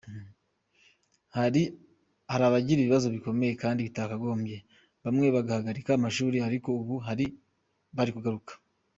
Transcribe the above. Hari abagira ibibazo bikomeye kandi bitakagombye, bamwe bagahagarika amashuri, ariko ubu bari kugaruka.